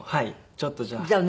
ちょっとじゃあ。